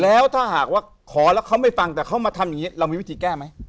แล้วถ้าหากว่าขอแล้วเขาไม่ฟังแต่เขามาทำอย่างนี้เรามีวิธีแก้ไหม